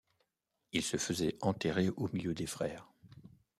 Ils se faisaient enterrer au milieu des frères.